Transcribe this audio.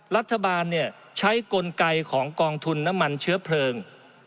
รัฐบาลใช้กลไกของกองทุนน้ำมันเชื้อเพลิง